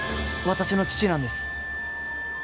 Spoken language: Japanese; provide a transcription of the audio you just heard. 私の父なんです。